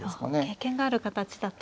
経験がある形だと。